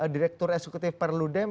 direktur eksekutif perludem